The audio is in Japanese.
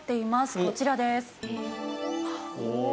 こちらです。